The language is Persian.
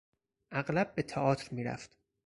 اغلب به تئاتر میرفت.